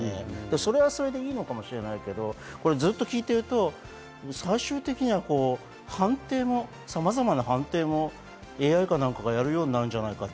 それはそれでいいかもしれないけれど、ずっと聞いてると最終的に判定もさまざまなＡＩがやるようになるのではないかなと。